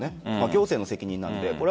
行政の責任なので。